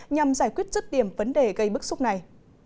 nhằm giải quyết rứt điểm vấn đề gây bức xúc này